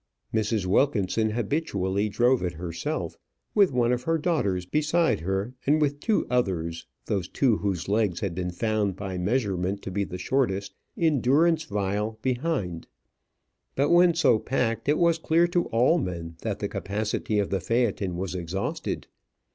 Mrs. Wilkinson habitually drove it herself, with one of her daughters beside her, and with two others those two whose legs had been found by measurement to be the shortest in durance vile behind; but when so packed, it was clear to all men that the capacity of the phaëton was exhausted.